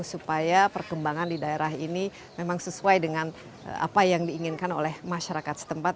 supaya perkembangan di daerah ini memang sesuai dengan apa yang diinginkan oleh masyarakat setempat